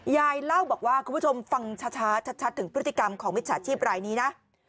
ยายเล่าบอกว่าคุณผู้ชมฟังช้าชัดถึงพฤติกรรมของมิจฉาชีพรายนี้นะ